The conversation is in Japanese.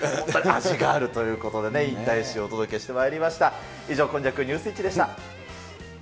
味があるということで、引退史お届けしてまいりました。